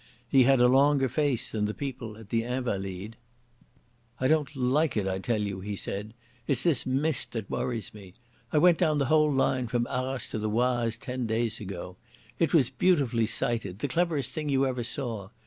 He had a longer face than the people at the Invalides. "I don't like it, I tell you," he said. "It's this mist that worries me. I went down the whole line from Arras to the Oise ten days ago. It was beautifully sited, the cleverest thing you ever saw.